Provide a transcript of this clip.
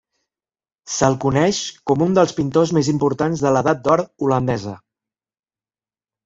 Se'l coneix com un dels pintors més importants de l'Edat d'Or holandesa.